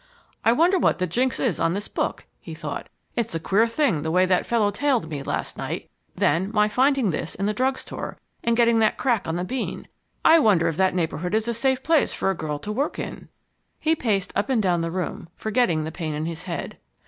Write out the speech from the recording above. "I wonder what the jinx is on this book?" he thought. "It's a queer thing the way that fellow trailed me last night then my finding this in the drug store, and getting that crack on the bean. I wonder if that neighbourhood is a safe place for a girl to work in?" He paced up and down the room, forgetting the pain in his head.